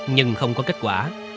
nhưng không có kết quả